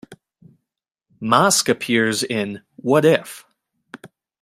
Masque appears in What If?